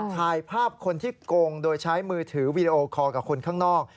ถ่ายภาพคนที่โกงโดยใช้มือถือวีดีโอคอลกับคนข้างนอก